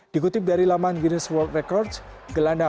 dikutip dari laman guinness world record